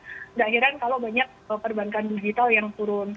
tidak heran kalau banyak perbankan digital yang turun